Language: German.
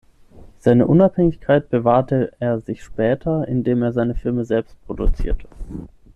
Seine Unabhängigkeit bewahrte er sich später, indem er seine Filme selbst produzierte.